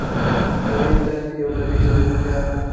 د ریګ دښتې یوه طبیعي ځانګړتیا ده.